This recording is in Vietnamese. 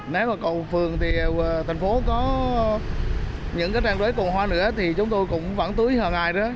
nếu mà cầu phường thì thành phố có những trang đối cùng hoa nữa thì chúng tôi cũng vẫn túi hằng ngày đó